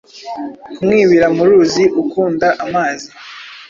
Kumwibira mu ruzi ukunda amazi.